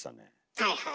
はいはい。